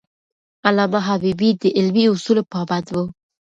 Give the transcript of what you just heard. علامه حبیبي د علمي اصولو پابند و.